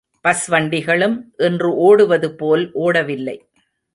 Bus வண்டிகளும் இன்று ஓடுவது போல் ஓடவில்லை.